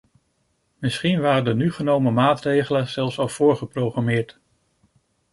Misschien waren de nu genomen maatregelen zelfs al voorgeprogrammeerd.